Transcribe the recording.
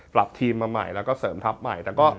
ปรับทีมมาใหม่แล้วก็เสริมทัพใหม่แต่ก็